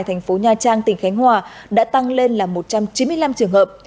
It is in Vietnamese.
tp nha trang tỉnh khánh hòa đã tăng lên là một trăm chín mươi năm trường hợp